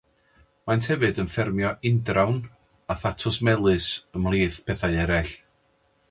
Maent hefyd yn ffermio indrawn, a thatws melys ymhlith pethau eraill.